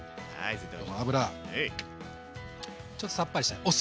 ちょっとさっぱりしたいお酢。